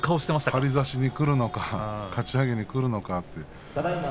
張り差しでくるのかかち上げにくるのか。